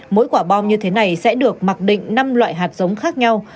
mỗi quả bom như thế này sẽ được mặc định năm loại hạt giống khác nhau